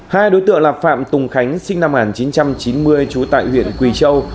hai đối tượng là phạm tùng khánh sinh năm một nghìn chín trăm chín mươi trú tại huyện quỳ châu